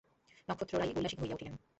নক্ষত্ররায় উল্লসিত হইয়া উঠিলেন।